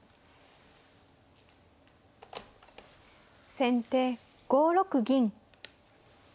先手５六銀。